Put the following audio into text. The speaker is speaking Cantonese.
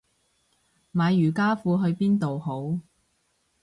買瑜伽褲去邊度好